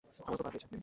আমার উপর পাড়া দিয়েছ!